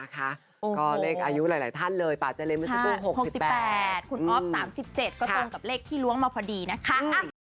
ค่ะก็เลขอายุหลายหลายท่านเลยปราเจเรนมิสโก้ว๖๘อ๊อฟ๓๗ก็ตรงกับเลขที่ร่วงมาพอดีนะคะ